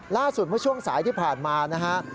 ล่าสุดเมื่อช่วงสายที่ผ่านมานะฮะ